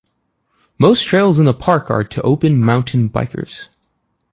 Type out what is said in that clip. Most trails in the park are to open mountain bikers.